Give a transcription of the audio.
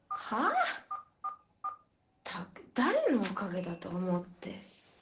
ったく誰のおかげだと思って。